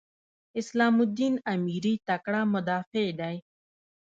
اسلام الدین امیري تکړه مدافع دی.